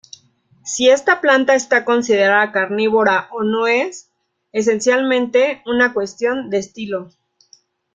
Si esta planta está considerada carnívora o no es, esencialmente, una cuestión de estilo.